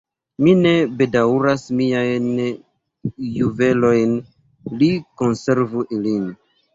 Mi ne bedaŭras miajn juvelojn; li konservu ilin!